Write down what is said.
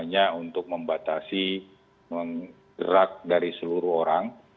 jadi mengerak dari seluruh orang